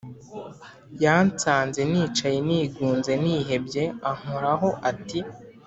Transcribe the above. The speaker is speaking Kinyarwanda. yansanze nicaye nigunze nihebye ankoraho ati :